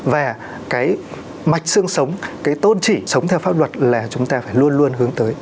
và cái mạch xương sống cái tôn trị sống theo pháp luật là chúng ta phải luôn luôn hướng tới